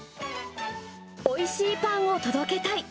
おいしいパンを届けたい。